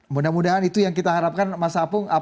mudah mudahan itu yang kita harapkan mas apung